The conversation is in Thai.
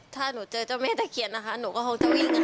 ถ้าหนูเจอเจ้าแม่ตะเคียนนะคะหนูก็คงจะวิ่ง